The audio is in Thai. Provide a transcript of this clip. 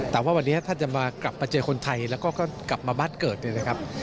แต่ว่าวันนี้ถ้าจะมากลับมาเจอคนไทยแล้วก็กลับมาบ้านเกิดเนี่ยนะครับ